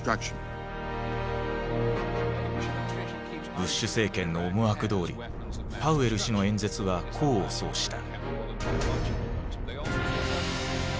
ブッシュ政権の思惑どおりパウエル氏の演説は功を奏した。